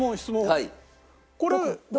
はい。